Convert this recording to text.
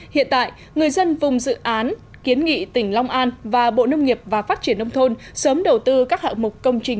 hiện tại người dân vùng dự án kiến nghị tỉnh long an và bộ nông nghiệp và phát triển nông thôn sớm đầu tư các hạng mục công trình